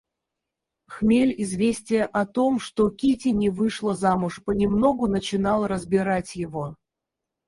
Хмель известия о том, что Кити не вышла замуж, понемногу начинал разбирать его.